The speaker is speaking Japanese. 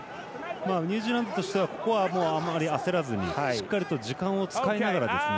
ニュージーランドとしてはここはあまり焦らずにしっかりと時間を使いながら。